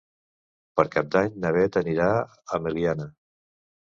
Per Cap d'Any na Bet anirà a Meliana.